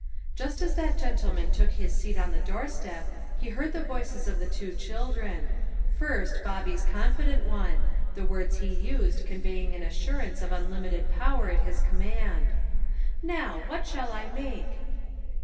Just as that gentleman took his seat on the doorstep, he heard the voices of the two chil dren ; first, Bobby's confident one, the words he used conveying aji assurance of unlimited power at his command "Now, what shall I make?"